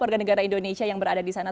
warga negara indonesia yang berada di sana